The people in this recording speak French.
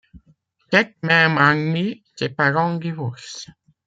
Cette même année, ses parents divorcent.